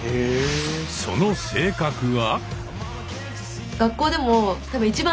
その性格は。